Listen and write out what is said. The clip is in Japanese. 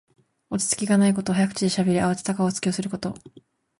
落ち着きがないこと。早口でしゃべり、あわてた顔つきをすること。